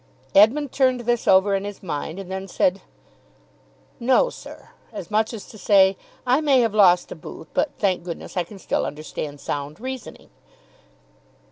Edmund turned this over in his mind, and then said, "No, sir," as much as to say, "I may have lost a boot, but, thank goodness, I can still understand sound reasoning."